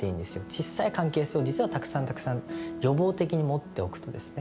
小さい関係性を実はたくさん、たくさん予防的に持っておくとですね